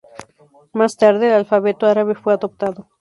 Más tarde, el alfabeto árabe fue adoptado.